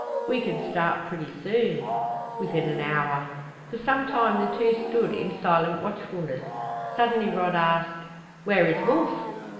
"We can start pretty soon?" "Within an hour." For some time the two stood in silent watchfulness. Suddenly Rod asked: "Where is Wolf?"